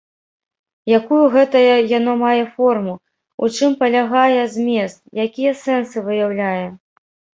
Якую гэтае яно мае форму, у чым палягае змест, якія сэнсы выяўляе?